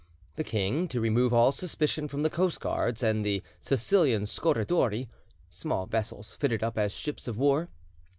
The king, to remove all suspicion from the coastguards and the Sicilian scorridori, [Small vessels fitted up as ships of war.